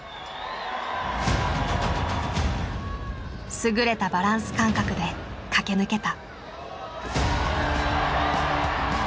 優れたバランス感覚で駆け抜けた。